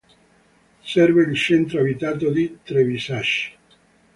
Serve il centro abitato di Trebisacce.